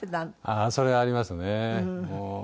ああそれはありますね。